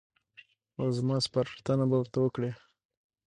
او زما سپارښتنه به ورته وکړي.